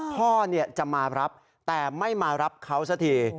พ่อจะมารับแต่ไม่มารับเขาสักที